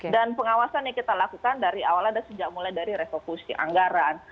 dan pengawasan yang kita lakukan dari awal ada sejak mulai dari resolusi anggaran